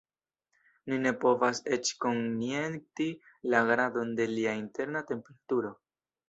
Ni ne povas eĉ konjekti la gradon de lia interna temperaturo.